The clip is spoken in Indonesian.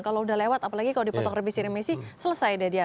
kalau udah lewat apalagi kalau dipotong remisi remisi selesai deh dia